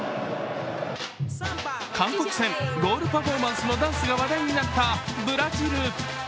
韓国戦、ゴールパフォーマンスのダンスが話題になったブラジル。